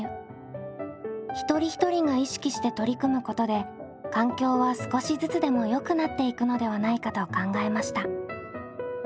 一人一人が意識して取り組むことで環境は少しずつでもよくなっていくのではないかと考えました。